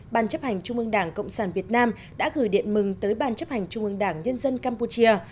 ban chấp hành trung ương đảng cộng sản việt nam đã gửi điện mừng tới ban chấp hành trung ương đảng nhân dân campuchia